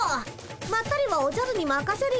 まったりはおじゃるにまかせるよ。